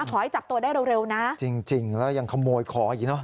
อ้าวขอให้จับตัวได้เร็วนะจริงแล้วยังขโมยของอีกเนอะ